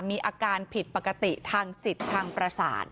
มีอาการผิดปกติทางจิตทางประสาท